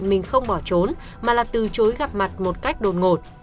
mình không bỏ trốn mà là từ chối gặp mặt một cách đột ngột